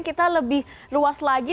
kita lebih luas lagi